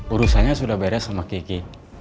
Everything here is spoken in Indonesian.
urusannya sudah beres sama kiki